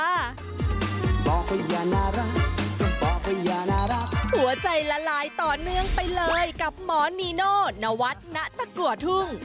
หัวใจละลายต่อเนื่องไปเลยกับหมอนีโน่ณวัฒน์ณตะกัวทุ่ง